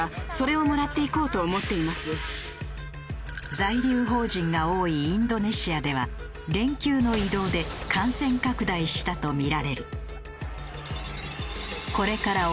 在留邦人が多いインドネシアでは連休の移動で感染拡大したとみられる。